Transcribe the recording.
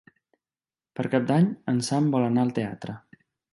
Per Cap d'Any en Sam vol anar al teatre.